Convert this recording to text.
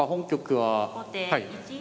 はい。